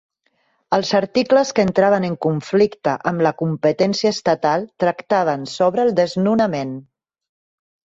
Els articles que entraven en conflicte amb la competència estatal tractaven sobre el desnonament.